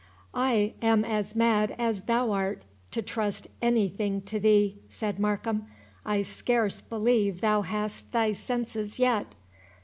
"I am as mad as thou art, to trust any thing to thee," said Markham; "I scarce believe thou hast thy senses yet."